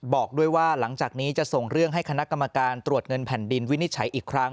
บอกด้วยว่าหลังจากนี้จะส่งเรื่องให้คณะกรรมการตรวจเงินแผ่นดินวินิจฉัยอีกครั้ง